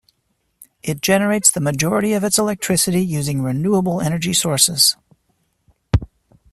It generates the majority of its electricity using renewable energy sources.